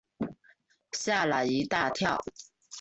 吓了一大跳